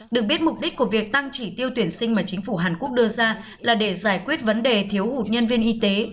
được biết mục đích của việc tăng chỉ tiêu tuyển sinh mà chính phủ hàn quốc đưa ra là để giải quyết vấn đề thiếu hụt nhân viên y tế